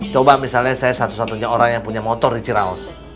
coba misalnya saya satu satunya orang yang punya motor dicerau